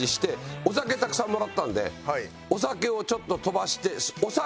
お酒たくさんもらってたんでお酒をちょっと飛ばして。